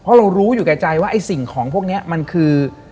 เพราะเรารู้อยู่แก่ใจว่าไอ้สิ่งของพวกนี้มันคือ